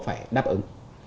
phải đáp ứng